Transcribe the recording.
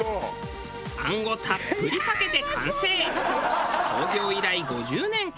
餡をたっぷりかけて完成。